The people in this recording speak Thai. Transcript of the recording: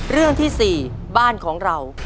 เรื่องที่๔บ้านของเรา